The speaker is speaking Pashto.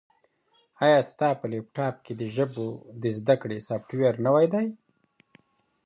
ایا ستا په لیپټاپ کي د ژبو د زده کړې سافټویر نوی دی؟